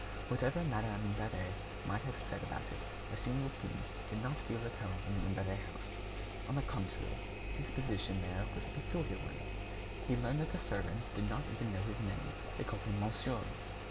Whatever Madame Imbert might have said about it, Arsène Lupin did not feel at home in the Imbert house. On the contrary, his position there was a peculiar one. He learned that the servants did not even know his name. They called him "monsieur."